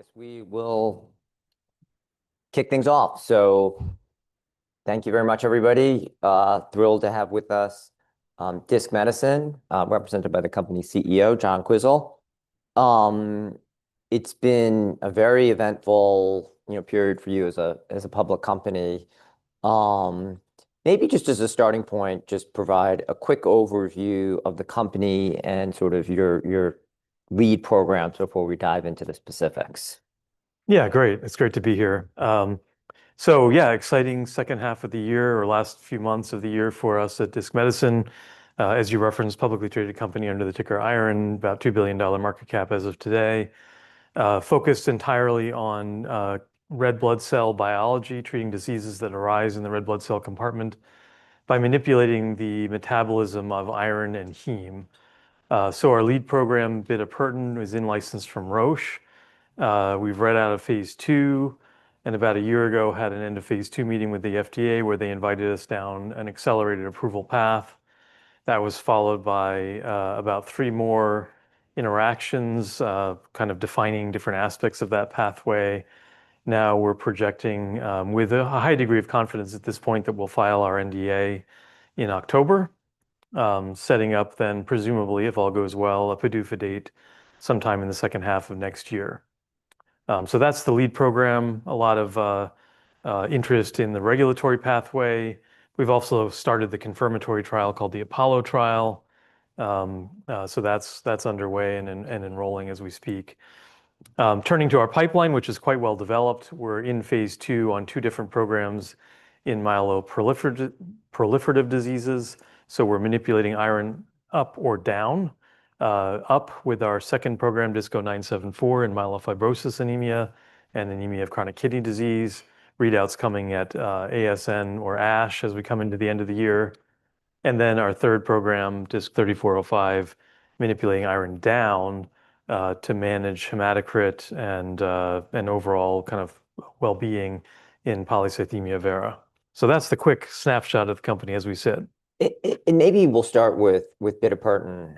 I guess we will kick things off. So thank you very much, everybody. Thrilled to have with us Disc Medicine, represented by the company's CEO, John Quisel. It's been a very eventful period for you as a public company. Maybe just as a starting point, just provide a quick overview of the company and sort of your lead program before we dive into the specifics. Yeah, great. It's great to be here. So yeah, exciting second half of the year or last few months of the year for us at Disc Medicine. As you referenced, publicly traded company under the ticker IRON, about $2 billion market cap as of today. Focused entirely on red blood cell biology, treating diseases that arise in the red blood cell compartment by manipulating the metabolism of iron and heme. So our lead program, bitopertin, is in license from Roche. We've read out of phase two, and about a year ago had an end of phase two meeting with the FDA where they invited us down an accelerated approval path. That was followed by about three more interactions, kind of defining different aspects of that pathway. Now we're projecting, with a high degree of confidence at this point, that we'll file our NDA in October, setting up then, presumably, if all goes well, a PDUFA date sometime in the second half of next year. So that's the lead program. A lot of interest in the regulatory pathway. We've also started the confirmatory trial called the Apollo trial. So that's underway and enrolling as we speak. Turning to our pipeline, which is quite well developed, we're in phase two on two different programs in myeloproliferative diseases. So we're manipulating iron up or down, up with our second program, DISC-0974, in myelofibrosis anemia and anemia of chronic kidney disease. Read-outs coming at ASN or ASH as we come into the end of the year. And then our third program, DISC-3405, manipulating iron down to manage hematocrit and overall kind of well-being in polycythemia vera. That's the quick snapshot of the company as we sit. And maybe we'll start with bitopertin.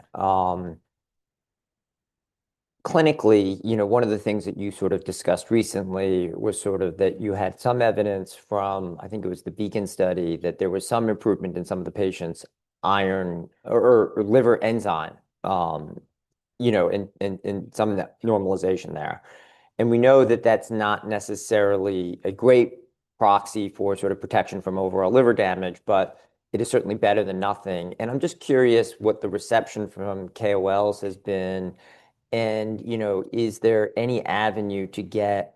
Clinically, one of the things that you sort of discussed recently was sort of that you had some evidence from, I think it was the Beacon study, that there was some improvement in some of the patients' iron or liver enzyme in some of that normalization there. And we know that that's not necessarily a great proxy for sort of protection from overall liver damage, but it is certainly better than nothing. And I'm just curious what the reception from KOLs has been. And is there any avenue to get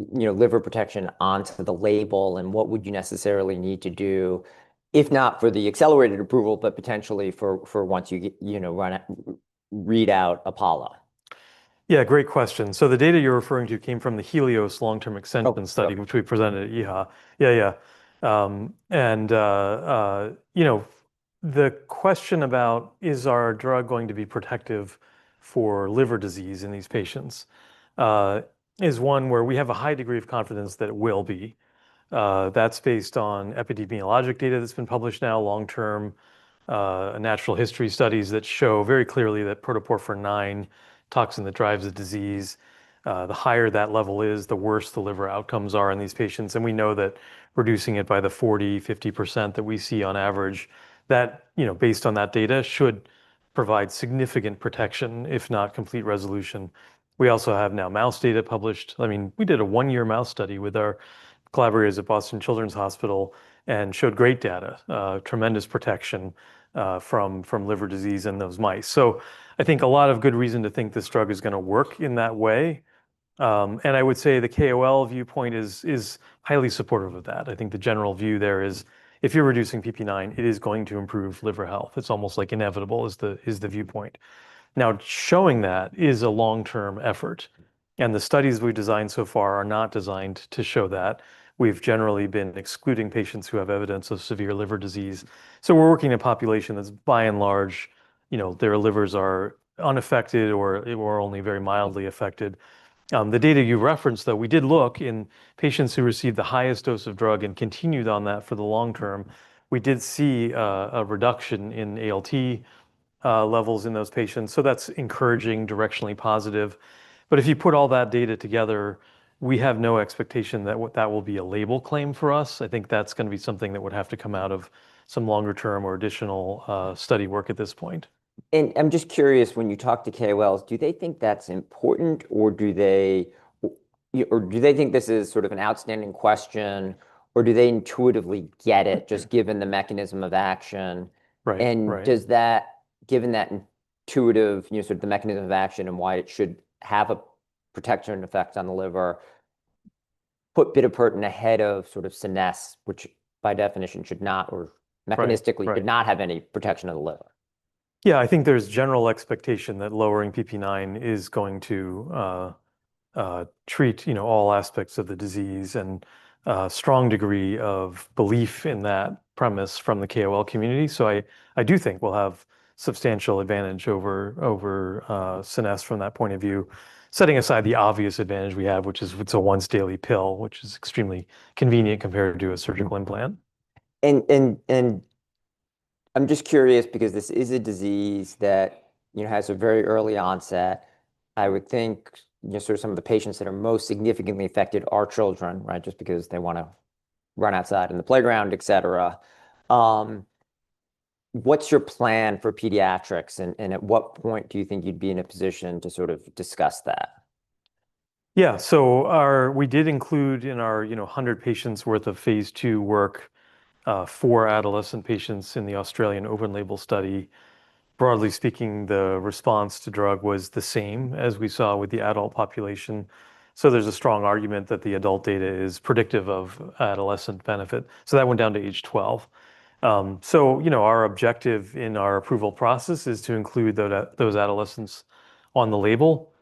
liver protection onto the label? And what would you necessarily need to do, if not for the accelerated approval, but potentially for once you read out Apollo? Yeah, great question. So the data you're referring to came from The OLE long-term extension study, which we presented at EHA. Yeah, yeah. And the question about, is our drug going to be protective for liver disease in these patients is one where we have a high degree of confidence that it will be. That's based on epidemiologic data that's been published now, long-term natural history studies that show very clearly that Protoporphyrin IX, toxin that drives the disease, the higher that level is, the worse the liver outcomes are in these patients. And we know that reducing it by the 40%-50% that we see on average, that based on that data should provide significant protection, if not complete resolution. We also have now mouse data published. I mean, we did a one-year mouse study with our collaborators at Boston Children's Hospital and showed great data, tremendous protection from liver disease in those mice. So I think a lot of good reason to think this drug is going to work in that way. And I would say the KOL viewpoint is highly supportive of that. I think the general view there is, if you're reducing PP9, it is going to improve liver health. It's almost like inevitable is the viewpoint. Now, showing that is a long-term effort. And the studies we've designed so far are not designed to show that. We've generally been excluding patients who have evidence of severe liver disease. So we're working in a population that's by and large, their livers are unaffected or only very mildly affected. The data you referenced, though, we did look in patients who received the highest dose of drug and continued on that for the long term. We did see a reduction in ALT levels in those patients. So that's encouraging, directionally positive. But if you put all that data together, we have no expectation that that will be a label claim for us. I think that's going to be something that would have to come out of some longer-term or additional study work at this point. I'm just curious, when you talk to KOLs, do they think that's important or do they think this is sort of an outstanding question or do they intuitively get it just given the mechanism of action? Does that, given that intuitive sort of the mechanism of action and why it should have a protection effect on the liver, put bitopertin ahead of sort of Scenesse, which by definition should not or mechanistically did not have any protection of the liver? Yeah, I think there's general expectation that lowering PP9 is going to treat all aspects of the disease and a strong degree of belief in that premise from the KOL community. So I do think we'll have substantial advantage over Scenesse from that point of view, setting aside the obvious advantage we have, which is it's a once-daily pill, which is extremely convenient compared to a surgical implant. I'm just curious because this is a disease that has a very early onset. I would think sort of some of the patients that are most significantly affected are children, right, just because they want to run outside in the playground, et cetera. What's your plan for pediatrics? At what point do you think you'd be in a position to sort of discuss that? Yeah, so we did include in our 100 patients' worth of phase two work, four adolescent patients in the Australian open label study. Broadly speaking, the response to drug was the same as we saw with the adult population. So there's a strong argument that the adult data is predictive of adolescent benefit. So that went down to age 12. So our objective in our approval process is to include those adolescents on the label.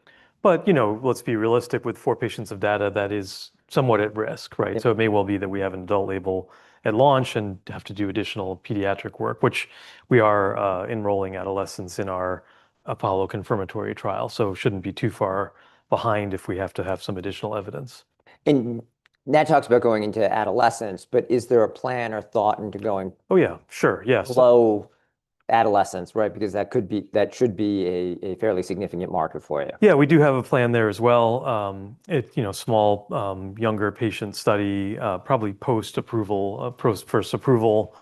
But let's be realistic, with four patients of data, that is somewhat at risk, right? So it may well be that we have an adult label at launch and have to do additional pediatric work, which we are enrolling adolescents in our Apollo confirmatory trial. So it shouldn't be too far behind if we have to have some additional evidence. And that talks about going into adolescents, but is there a plan or thought into going? Oh, yeah, sure. Yes. Below adolescents, right? Because that should be a fairly significant marker for you. Yeah, we do have a plan there as well. Small, younger patient study, probably post-approval, post-first approval.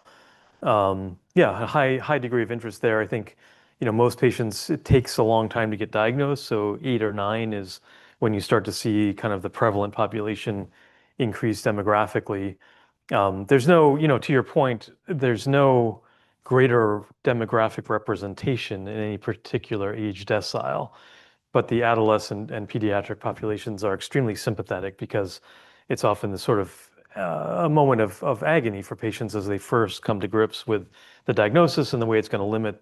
Yeah, high degree of interest there. I think most patients, it takes a long time to get diagnosed, so eight or nine is when you start to see kind of the prevalent population increase demographically. To your point, there's no greater demographic representation in any particular age decile. But the adolescent and pediatric populations are extremely sympathetic because it's often the sort of moment of agony for patients as they first come to grips with the diagnosis and the way it's going to limit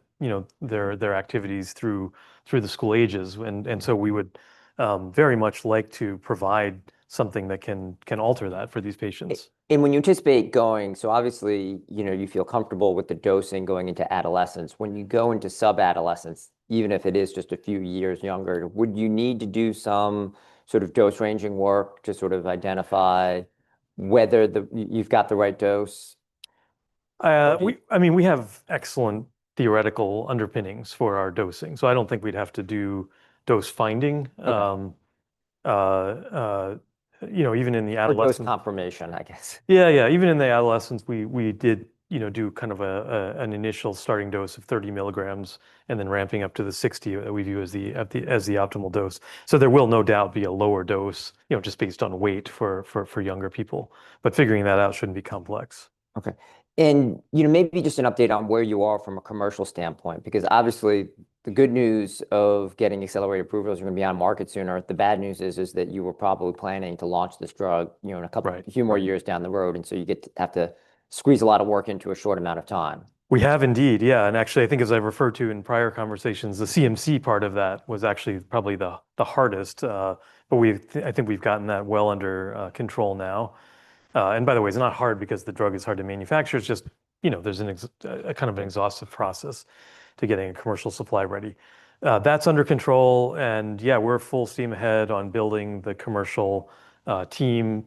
their activities through the school ages, and so we would very much like to provide something that can alter that for these patients. When you anticipate going, so obviously you feel comfortable with the dosing going into adolescence. When you go into sub-adolescence, even if it is just a few years younger, would you need to do some sort of dose ranging work to sort of identify whether you've got the right dose? I mean, we have excellent theoretical underpinnings for our dosing. So I don't think we'd have to do dose finding, even in the adolescent. Dose confirmation, I guess. Yeah, yeah. Even in the adolescents, we did do kind of an initial starting dose of 30 milligrams and then ramping up to the 60 that we view as the optimal dose, so there will no doubt be a lower dose just based on weight for younger people, but figuring that out shouldn't be complex. Okay. And maybe just an update on where you are from a commercial standpoint, because obviously the good news of getting accelerated approvals are going to be on market sooner. The bad news is that you were probably planning to launch this drug in a few more years down the road. And so you have to squeeze a lot of work into a short amount of time. We have indeed, yeah. And actually, I think as I've referred to in prior conversations, the CMC part of that was actually probably the hardest. But I think we've gotten that well under control now. And by the way, it's not hard because the drug is hard to manufacture. It's just there's kind of an exhaustive process to getting a commercial supply ready. That's under control. And yeah, we're full steam ahead on building the commercial team,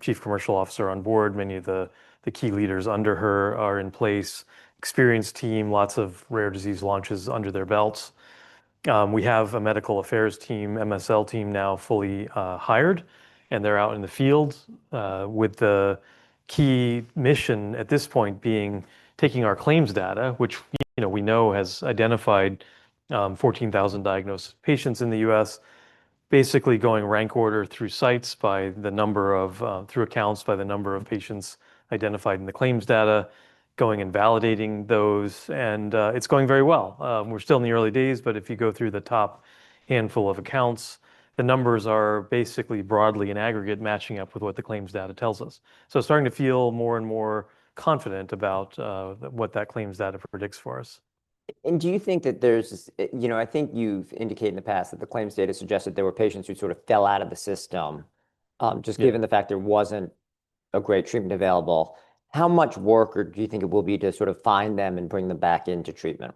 Chief Commercial Officer on board. Many of the key leaders under her are in place, experienced team, lots of rare disease launches under their belts. We have a medical affairs team, MSL team now fully hired. And they're out in the field with the key mission at this point being taking our claims data, which we know has identified 14,000 diagnosed patients in the U.S., basically going rank order through sites by the number of through accounts by the number of patients identified in the claims data, going and validating those. And it's going very well. We're still in the early days, but if you go through the top handful of accounts, the numbers are basically broadly in aggregate matching up with what the claims data tells us. So starting to feel more and more confident about what that claims data predicts for us. Do you think that there's I think you've indicated in the past that the claims data suggested there were patients who sort of fell out of the system, just given the fact there wasn't a great treatment available? How much work do you think it will be to sort of find them and bring them back into treatment?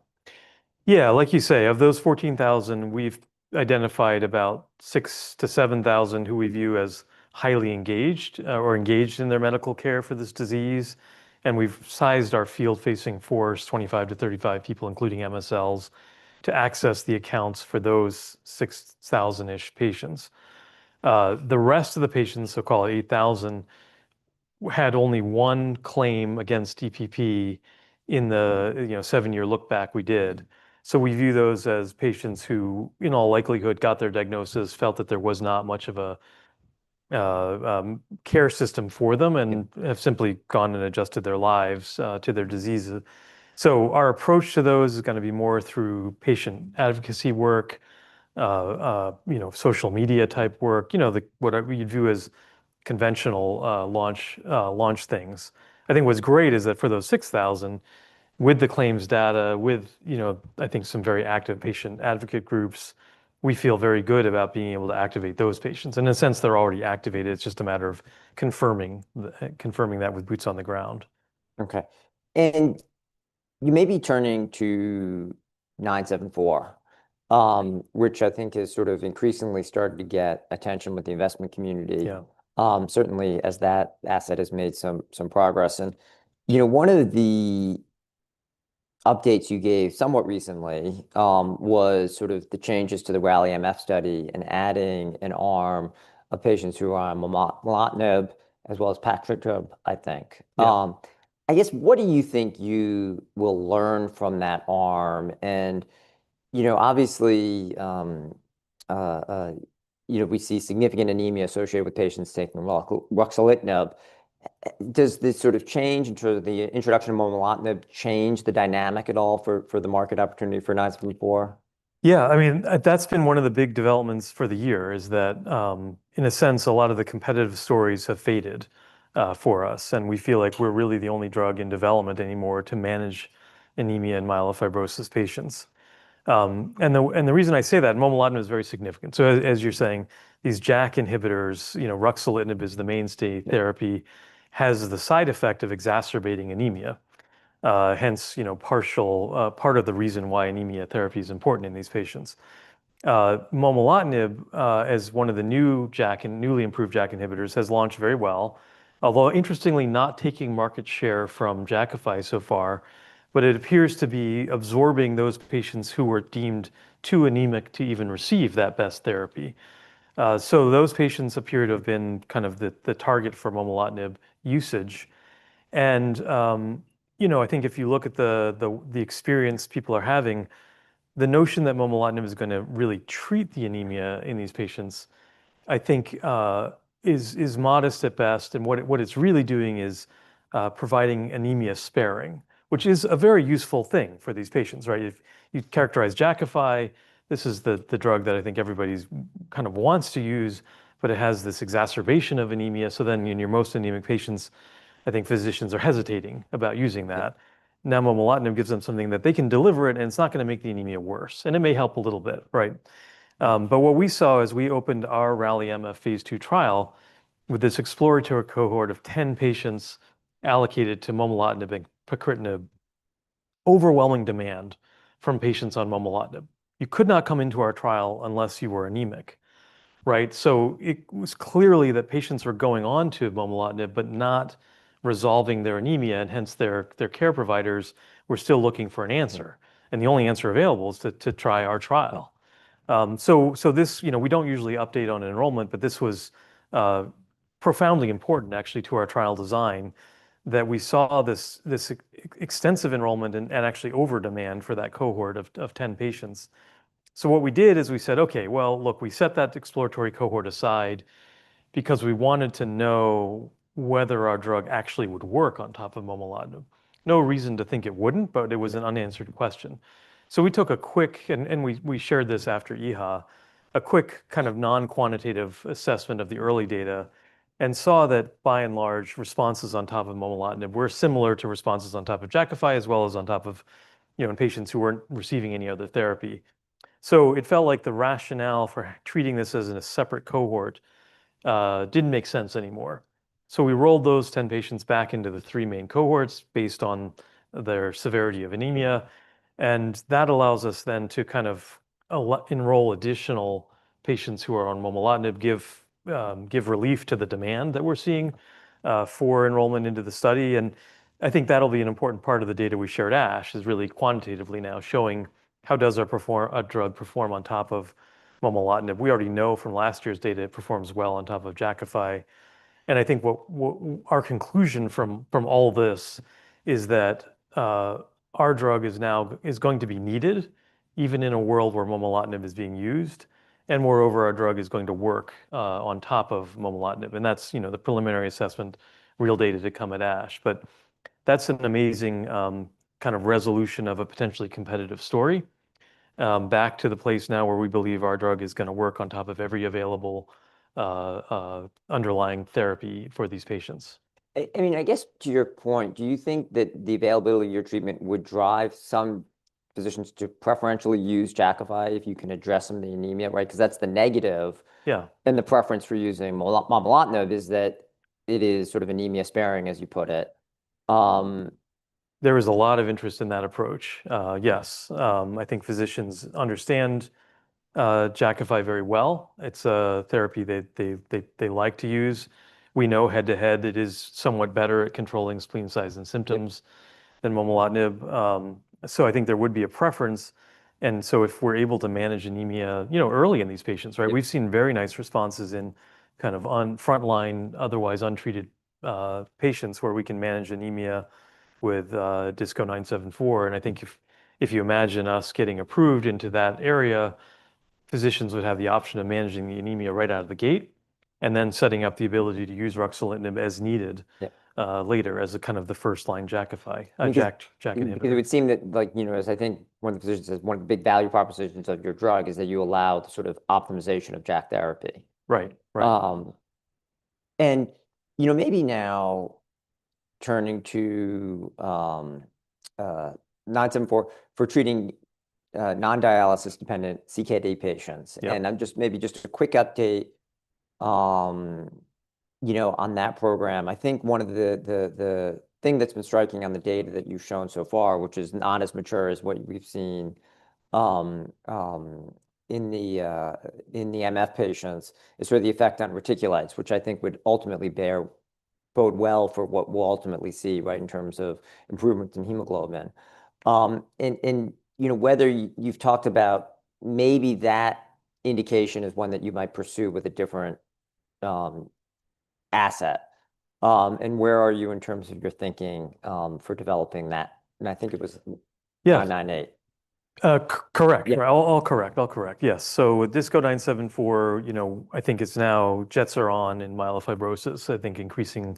Yeah, like you say, of those 14,000, we've identified about 6,000 to 7,000 who we view as highly engaged or engaged in their medical care for this disease. And we've sized our field-facing force, 25-35 people, including MSLs, to access the accounts for those 6,000-ish patients. The rest of the patients, so-called 8,000, had only one claim against EPP in the seven-year lookback we did. So we view those as patients who, in all likelihood, got their diagnosis, felt that there was not much of a care system for them, and have simply gone and adjusted their lives to their diseases. So our approach to those is going to be more through patient advocacy work, social media type work, what we view as conventional launch things. I think what's great is that for those 6,000, with the claims data, I think, some very active patient advocate groups, we feel very good about being able to activate those patients. And in a sense, they're already activated. It's just a matter of confirming that with boots on the ground. Okay. And you may be turning to 974, which I think has sort of increasingly started to get attention with the investment community, certainly as that asset has made some progress. And one of the updates you gave somewhat recently was sort of the changes to the RALI-MF study and adding an arm of patients who are on momelotinib as well as pacritinib, I think. I guess, what do you think you will learn from that arm? And obviously, we see significant anemia associated with patients taking ruxolitinib. Does this sort of change in terms of the introduction of momelotinib change the dynamic at all for the market opportunity for 974? Yeah, I mean, that's been one of the big developments for the year is that, in a sense, a lot of the competitive stories have faded for us, and we feel like we're really the only drug in development anymore to manage anemia in myelofibrosis patients, and the reason I say that, momelotinib is very significant, so as you're saying, these JAK inhibitors, ruxolitinib is the mainstay therapy, has the side effect of exacerbating anemia, hence part of the reason why anemia therapy is important in these patients. Momelotinib, as one of the new JAK and newly improved JAK inhibitors, has launched very well, although interestingly, not taking market share from Jakafi so far, but it appears to be absorbing those patients who were deemed too anemic to even receive that best therapy, so those patients appear to have been kind of the target for momelotinib usage. I think if you look at the experience people are having, the notion that momelotinib is going to really treat the anemia in these patients, I think, is modest at best. And what it's really doing is providing anemia sparing, which is a very useful thing for these patients, right? You characterize Jakafi. This is the drug that I think everybody kind of wants to use, but it has this exacerbation of anemia. So then in your most anemic patients, I think physicians are hesitating about using that. Now, momelotinib gives them something that they can deliver it, and it's not going to make the anemia worse. And it may help a little bit, right? But what we saw as we opened our RALI-MF phase two trial with this exploratory cohort of 10 patients allocated to momelotinib and pacritinib, overwhelming demand from patients on momelotinib. You could not come into our trial unless you were anemic, right, so it was clearly that patients were going on to momelotinib, but not resolving their anemia, and hence, their care providers were still looking for an answer, and the only answer available is to try our trial, so we don't usually update on enrollment, but this was profoundly important, actually, to our trial design that we saw this extensive enrollment and actually over demand for that cohort of 10 patients, so what we did is we said, okay, well, look, we set that exploratory cohort aside because we wanted to know whether our drug actually would work on top of momelotinib. No reason to think it wouldn't, but it was an unanswered question. So we took a quick, and we shared this after EHA, a quick kind of non-quantitative assessment of the early data and saw that by and large, responses on top of momelotinib were similar to responses on top of Jakafi as well as on top of patients who weren't receiving any other therapy. So it felt like the rationale for treating this as a separate cohort didn't make sense anymore. So we rolled those 10 patients back into the three main cohorts based on their severity of anemia. And that allows us then to kind of enroll additional patients who are on momelotinib, give relief to the demand that we're seeing for enrollment into the study. And I think that'll be an important part of the data we shared ASH is really quantitatively now showing how does our drug perform on top of momelotinib. We already know from last year's data, it performs well on top of Jakafi. And I think our conclusion from all this is that our drug is going to be needed even in a world where momelotinib is being used. And moreover, our drug is going to work on top of momelotinib. And that's the preliminary assessment, real data to come at ash. And that's an amazing kind of resolution of a potentially competitive story back to the place now where we believe our drug is going to work on top of every available underlying therapy for these patients. I mean, I guess to your point, do you think that the availability of your treatment would drive some physicians to preferentially use Jakafi if you can address some of the anemia, right? Because that's the negative, and the preference for using momelotinib is that it is sort of anemia sparing, as you put it. There is a lot of interest in that approach, yes. I think physicians understand Jakafi very well. It's a therapy they like to use. We know head to head it is somewhat better at controlling spleen size and symptoms than momelotinib, so I think there would be a preference, and so if we're able to manage anemia early in these patients, right? We've seen very nice responses in kind of frontline, otherwise untreated patients where we can manage anemia with DISC-0974, and I think if you imagine us getting approved into that area, physicians would have the option of managing the anemia right out of the gate and then setting up the ability to use ruxolitinib as needed later as kind of the first line Jakafi. It would seem that, as I think one of the physicians says, one of the big value propositions of your drug is that you allow the sort of optimization of JAK therapy. Right, right. Maybe now turning to 974 for treating non-dialysis dependent CKD patients. Just maybe just a quick update on that program. I think one of the things that's been striking on the data that you've shown so far, which is not as mature as what we've seen in the MF patients, is sort of the effect on reticulocytes, which I think would ultimately bode well for what we'll ultimately see, right, in terms of improvements in hemoglobin. Whether you've talked about maybe that indication is one that you might pursue with a different asset. Where are you in terms of your thinking for developing that? I think it was 998. Correct. All correct. All correct. Yes. So with DISC-0974, I think it's now jets are on in myelofibrosis. I think increasing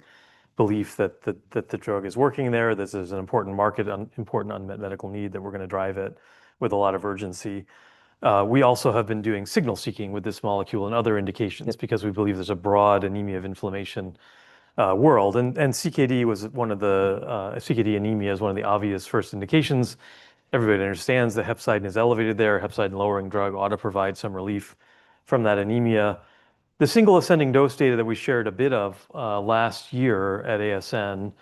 belief that the drug is working there. This is an important market, important unmet medical need that we're going to drive it with a lot of urgency. We also have been doing signal seeking with this molecule and other indications because we believe there's a broad anemia of inflammation world. And CKD was one of the CKD anemia is one of the obvious first indications. Everybody understands the hepcidin is elevated there. Hepcidin lowering drug ought to provide some relief from that anemia. The single ascending dose data that we shared a bit of last year at ASN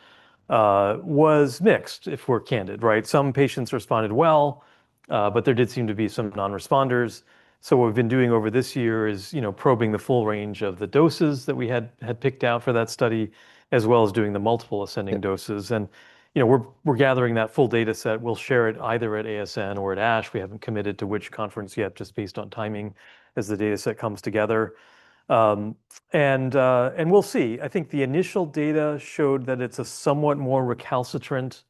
was mixed, if we're candid, right? Some patients responded well, but there did seem to be some non-responders. So what we've been doing over this year is probing the full range of the doses that we had picked out for that study, as well as doing the multiple ascending doses. And we're gathering that full data set. We'll share it either at ASN or at ASH. We haven't committed to which conference yet, just based on timing as the data set comes together. And we'll see. I think the initial data showed that it's a somewhat more recalcitrant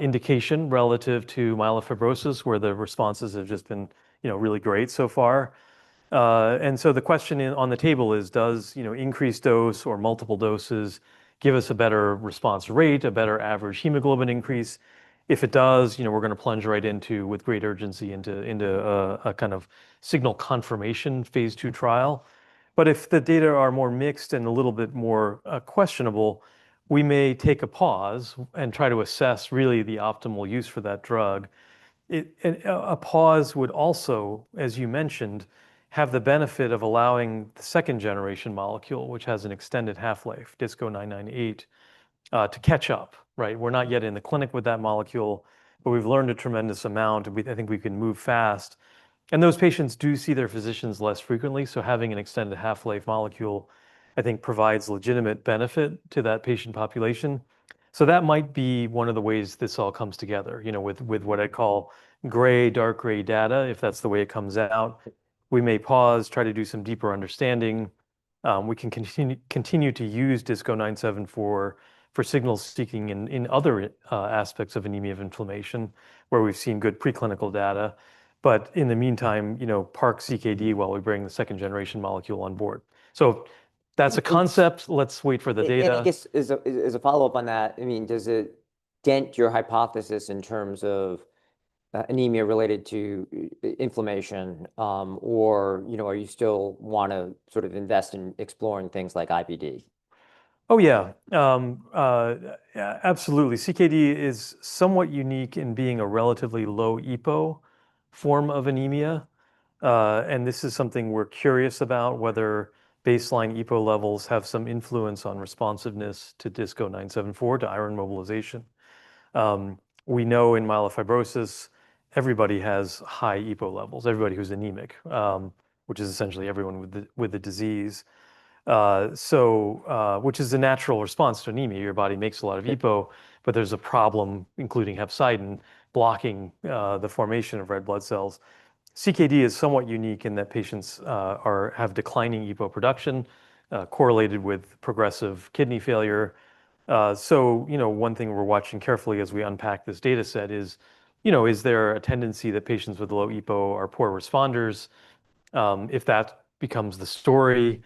indication relative to myelofibrosis, where the responses have just been really great so far. And so the question on the table is, does increased dose or multiple doses give us a better response rate, a better average hemoglobin increase? If it does, we're going to plunge right into with great urgency into a kind of signal confirmation phase two trial. But if the data are more mixed and a little bit more questionable, we may take a pause and try to assess really the optimal use for that drug. A pause would also, as you mentioned, have the benefit of allowing the second generation molecule, which has an extended half-life, DISC-0998, to catch up, right? We're not yet in the clinic with that molecule, but we've learned a tremendous amount. I think we can move fast. And those patients do see their physicians less frequently. So having an extended half-life molecule, I think, provides legitimate benefit to that patient population. So that might be one of the ways this all comes together with what I call gray, dark gray data, if that's the way it comes out. We may pause, try to do some deeper understanding. We can continue to use DISC-0974 for signal seeking in other aspects of anemia of inflammation, where we've seen good preclinical data. But in the meantime, park CKD while we bring the second generation molecule on board. So that's a concept. Let's wait for the data. I guess as a follow-up on that, I mean, does it dent your hypothesis in terms of anemia related to inflammation, or are you still want to sort of invest in exploring things like IBD? Oh, yeah. Absolutely. CKD is somewhat unique in being a relatively low EPO form of anemia. And this is something we're curious about, whether baseline EPO levels have some influence on responsiveness to DISC-0974, to iron mobilization. We know in myelofibrosis, everybody has high EPO levels, everybody who's anemic, which is essentially everyone with the disease, which is a natural response to anemia. Your body makes a lot of EPO, but there's a problem, including hepcidin, blocking the formation of red blood cells. CKD is somewhat unique in that patients have declining EPO production, correlated with progressive kidney failure. So one thing we're watching carefully as we unpack this data set is there a tendency that patients with low EPO are poor responders? If that becomes the story,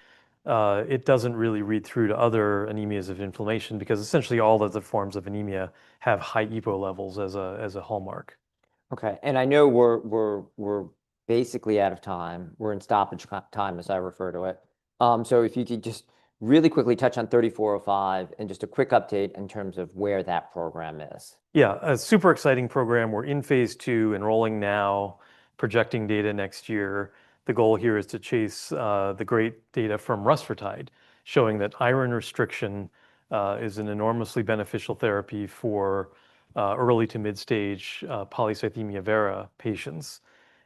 it doesn't really read through to other anemias of inflammation because essentially all of the forms of anemia have high EPO levels as a hallmark. Okay. And I know we're basically out of time. We're in stoppage time, as I refer to it. So if you could just really quickly touch on 3405 and just a quick update in terms of where that program is? Yeah, a super exciting program. We're in phase two, enrolling now, projecting data next year. The goal here is to chase the great data from rusfertide, showing that iron restriction is an enormously beneficial therapy for early to mid-stage polycythemia vera patients,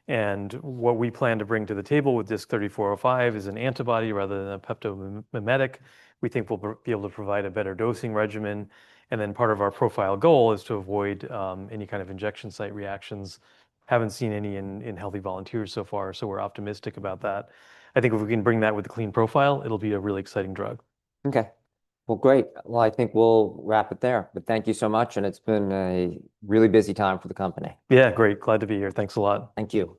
and what we plan to bring to the table with DISC-3405 is an antibody rather than a peptomimetic. We think we'll be able to provide a better dosing regimen, and then part of our profile goal is to avoid any kind of injection site reactions. Haven't seen any in healthy volunteers so far, so we're optimistic about that. I think if we can bring that with a clean profile, it'll be a really exciting drug. Okay. Well, great. Well, I think we'll wrap it there. But thank you so much. And it's been a really busy time for the company. Yeah, great. Glad to be here. Thanks a lot. Thank you.